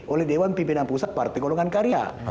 oleh dewan pimpinan pusat partai golongan karya